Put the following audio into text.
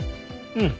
うん。